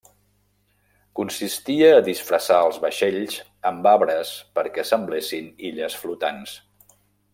Consistia a disfressar els vaixells amb arbres perquè semblessin illes flotants.